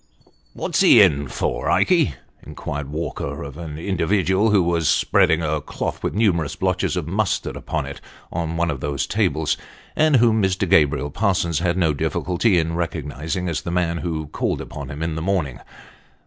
" What's he in for, Ikey ?" inquired Walker, of an individual who was spreading a cloth with numerous blotches of mustard upon it, on one of the tables, and whom Mr. Gabriel Parsons had no difficulty in recognising as the man who had called upon him in the morning.